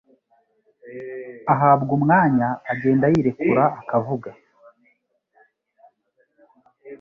ahabwa umwanya agenda yirekura akavuga